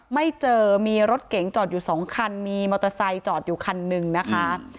ไม่เจอมีรถเก๋งจอดอยู่สองคันมีมอเตอร์ไซค์จอดอยู่คันหนึ่งนะคะ